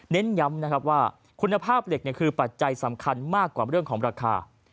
เน้นย้ำนะครับว่าคุณภาพเหล็กคือปัจจัยสำคัญมากกว่าเรื่องของราคา